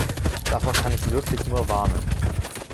Davor kann ich wirklich nur warnen.